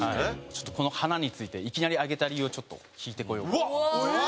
ちょっとこの花についていきなり上げた理由を聞いてこようかなと思って。